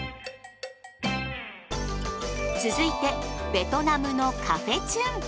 続いてベトナムのカフェチュン。